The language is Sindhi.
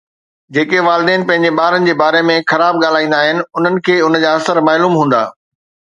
جيڪي والدين پنهنجي ٻارن جي باري ۾ خراب ڳالهائيندا آهن انهن کي ان جا اثر معلوم هوندا